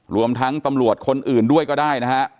รวมทั้งตำรวจคนอื่นด้วยก็ได้นะฮะ